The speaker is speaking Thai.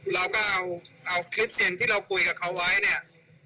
เราก็เอาคลิปเสียงที่เราคุยกับเขาไว้เนี่ย